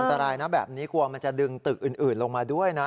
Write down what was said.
อันตรายนะแบบนี้กลัวมันจะดึงตึกอื่นลงมาด้วยนะ